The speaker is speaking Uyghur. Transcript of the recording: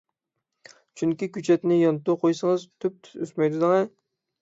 چۈنكى كۆچەتنى يانتۇ قويسىڭىز تۈپتۈز ئۆسمەيدۇ دەڭە.